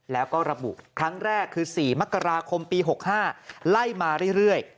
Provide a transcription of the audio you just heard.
แล้วก็ระบุครั้งแรกคือ๔มกราคมปี๖๕ไล่มาเรื่อย